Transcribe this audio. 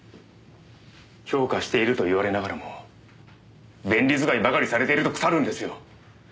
評価していると言われながらも便利使いばかりされていると腐るんですよ。